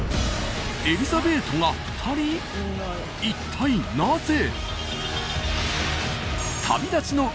一体なぜ？